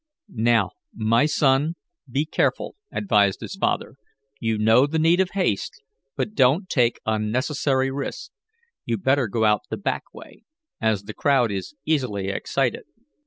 "Now, my son, be careful," advised his father. "You know the need of haste, but don't take unnecessary risks. You'd better go out the back way, as the crowd is easily excited."